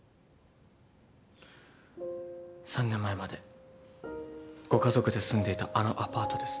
３年前までご家族で住んでいたあのアパートです。